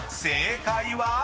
正解は？］